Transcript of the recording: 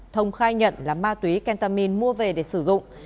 thông khai nhận là ma túy kentamin mua về để sử dụng